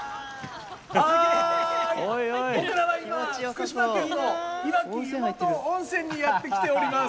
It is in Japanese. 福島県のいわき湯本温泉にやって来ております。